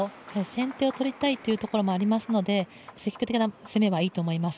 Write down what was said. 先手を取りたいというところもありますので、積極的な攻めはいいと思います。